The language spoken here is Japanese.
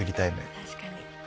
確かに。